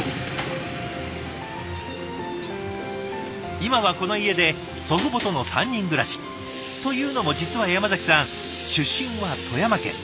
今はこの家で祖父母との３人暮らし。というのも実は山崎さん出身は富山県。